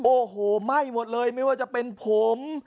โอ้โหไหม้หมดเลยไม่ว่าจะเป็นผม